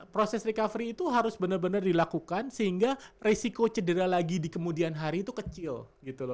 proses recovery itu harus benar benar dilakukan sehingga resiko cedera lagi di kemudian hari itu kecil gitu loh